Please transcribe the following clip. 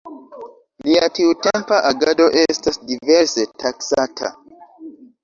Lia tiutempa agado estas diverse taksata.